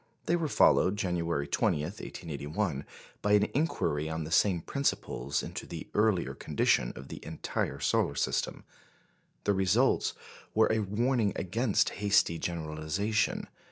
They were followed, January 20, 1881, by an inquiry on the same principles into the earlier condition of the entire solar system. The results were a warning against hasty generalisation.